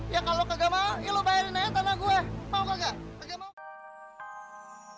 ya kalau kagak mau ya lo bayarin aja tanah gue